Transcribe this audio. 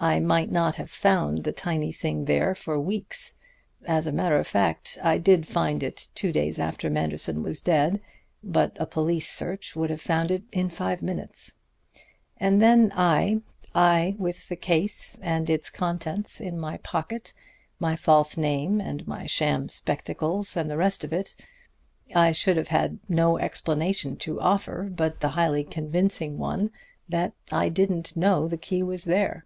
I might not have found the tiny thing there for weeks as a matter of fact I did find it two days after Manderson was dead but a police search would have found it in five minutes. And then I I with the case and its contents in my pocket, my false name and my sham spectacles and the rest of it I should have had no explanation to offer but the highly convincing one that I didn't know the key was there."